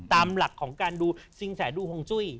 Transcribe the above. ตามหลักของการดูซิงแสดูฮงจุ้ย